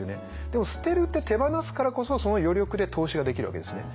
でも捨てるって手放すからこそその余力で投資ができるわけですね。